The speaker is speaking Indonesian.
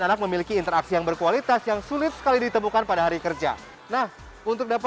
anak memiliki interaksi yang berkualitas yang sulit sekali ditemukan pada hari kerja nah untuk dapat